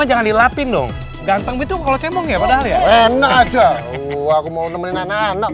jangan dilapin dong ganteng gitu kalau cemong ya padahal ya enak aja aku mau nemenin anak anak